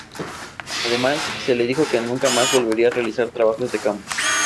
Además se le dijo que nunca más volvería a realizar "trabajos de campo".